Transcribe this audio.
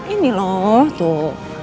ini loh tuh